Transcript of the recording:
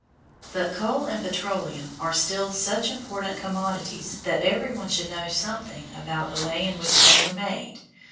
But coal and petroleum are still such important commodities that everyone should know something about the way in which they were made.